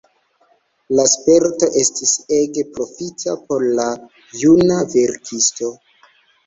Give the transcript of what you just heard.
La sperto estis ege profita por la juna verkisto.